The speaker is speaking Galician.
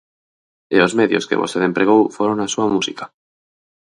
E os medios que vostede empregou foron a súa música.